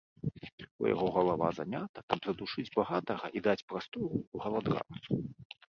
У яго галава занята, каб задушыць багатага і даць прастору галадранцу.